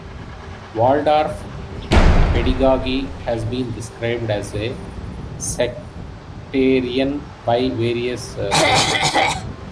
Waldorf pedagogy has been described as sectarian by various sources.